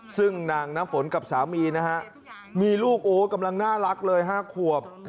ซึ่งนางน้ำฝนกับสามีนะฮะมีลูกโอ้กำลังน่ารักเลย๕ขวบ